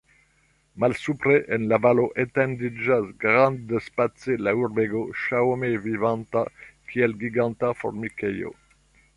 Malsupre, en la valo, etendiĝas grandspace la urbego, ŝaŭme vivanta, kiel giganta formikejo.